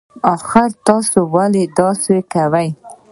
اخر تاسي ولې داسی کوئ